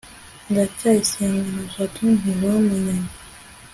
ndacyayisenga na jabo ntibamenyanye